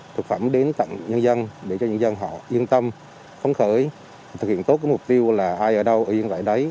thực phẩm đến tận nhân dân để cho nhân dân họ yên tâm phóng khởi thực hiện tốt cái mục tiêu là ai ở đâu yên tại đấy